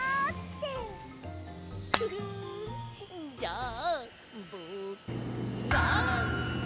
フフンじゃあぼくは。